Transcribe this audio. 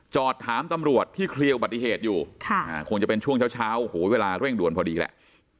จอดถามตำรวจที่เคลียร์อุบัติเหตุอยู่คงจะเป็นช่วงเช้าโอ้โหเวลาเร่งด่วนพอดีแหละ